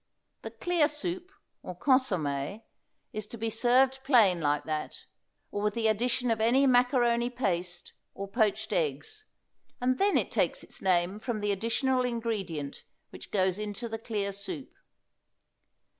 The clear soup, or consomme, is to be served plain like that, or with the addition of any macaroni paste, or poached eggs, and then it takes its name from the additional ingredient which goes into the clear soup.